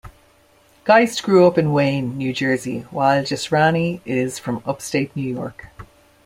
Geist grew up in Wayne, New Jersey, while Jesrani is from upstate New York.